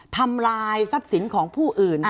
ทำลายทรัพย์สินของผู้อื่น